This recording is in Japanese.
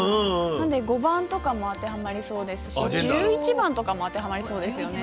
なので５番とかも当てはまりそうですし１１番とかも当てはまりそうですよね。